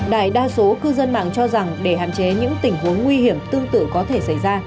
đại đa số cư dân mạng cho rằng để hạn chế những tình huống nguy hiểm tương tự có thể xảy ra